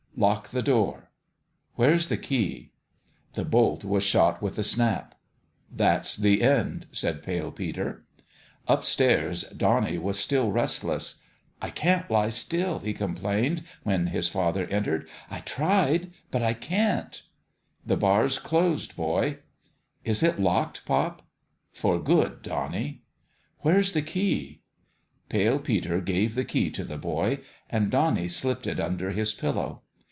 Lock the door. Where's the key ?" The bolt was shot with a snap. "That's the end," said Pale Peter. Up stairs Donnie was still restless. 4< I can't THE END OF THE GAME 325 lie still," he complained, when his father entered. " I tried but I can't." " The bar's closed, boy." " Is it locked, pop ?"" For good, Bonnie." " Where's the key ?" Pale Peter gave the key to the boy ; and Bonnie slipped it under his pillow.